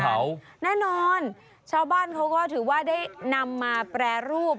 เขาแน่นอนชาวบ้านเขาก็ถือว่าได้นำมาแปรรูป